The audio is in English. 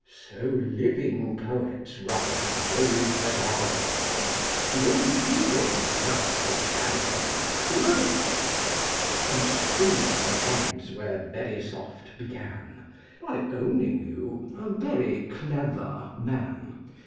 So living poets write of those that are gone, And o'er the Eagle thus the Bantam crows; And Swinburne ends where Verisopht began, By owning you 'a very clever man.'